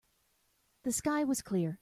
The sky was clear.